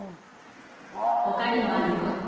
ほかにもあるよ。